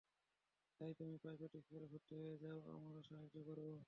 ভাই, তুমি প্রাইভেট স্কুলে, ভর্তি হইয়া যাও, আমরা সাহায্য করবো।